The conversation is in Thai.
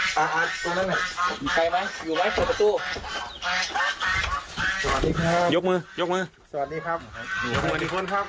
สวัสดีครับยกมือยกมือสวัสดีครับสวัสดีครับ